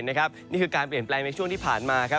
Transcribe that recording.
นี่คือการเปลี่ยนแปลงในช่วงที่ผ่านมาครับ